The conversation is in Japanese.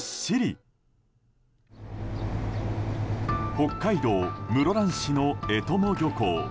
北海道室蘭市の絵鞆漁港。